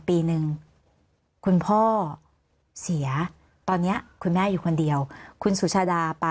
ปีหนึ่งคุณพ่อเสียตอนนี้คุณแม่อยู่คนเดียวคุณสุชาดาไป